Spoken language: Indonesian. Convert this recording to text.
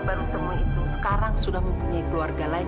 baru temu itu sekarang sudah mempunyai keluarga lain